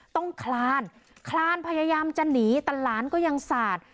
คลานคลานพยายามจะหนีแต่หลานก็ยังสาด